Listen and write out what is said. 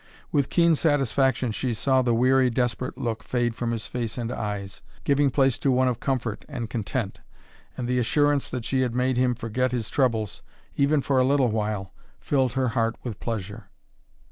With keen satisfaction she saw the weary, desperate look fade from his face and eyes, giving place to one of comfort and content, and the assurance that she had made him forget his troubles, even for a little while, filled her heart with pleasure.